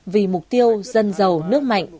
vì mục tiêu dân giàu nước mạnh